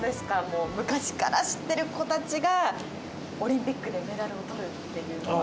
もう昔から知ってる子たちがオリンピックでメダルをとるっていうのは。